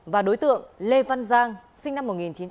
và đối tượng lê văn giang sinh năm một nghìn chín trăm chín mươi một